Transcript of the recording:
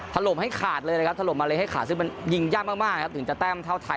ถล่มให้ขาดเลยนะครับถล่มมาเลให้ขาดซึ่งมันยิงยากมากนะครับถึงจะแต้มเท่าไทย